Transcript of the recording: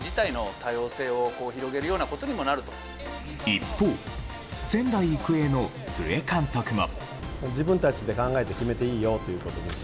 一方、仙台育英の須江監督も。